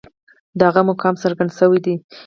د هغه مقام څرګند شوی دی.